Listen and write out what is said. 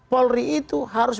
polri itu harus